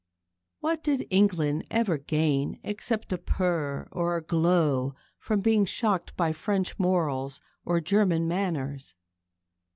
What did England ever gain except a purr or a glow from being shocked by French morals or German manners?